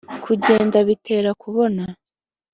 Kugenda bitera kubona.